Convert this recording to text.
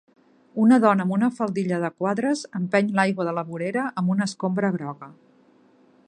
una dona amb una faldilla de quadres empeny l'aigua de la vorera amb una escombra groga.